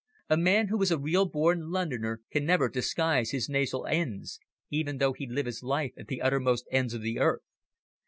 A man who is a real born Londoner can never disguise his nasal "n's," even though he live his life at the uttermost ends of the earth.